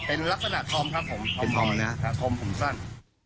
เป็นลักษณะธรรมครับผมธรรมของสร้าง